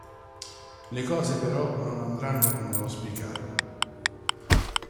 Le cose pero' non andranno come auspicato.